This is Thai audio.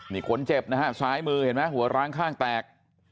นี่คนเจ็บนะฮะซ้ายมือเห็นไหมหัวร้างข้างแตก